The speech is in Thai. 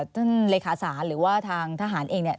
ท่านเลขาศาสตร์หรือว่าทางทหารเอง